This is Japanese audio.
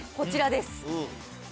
こちらです。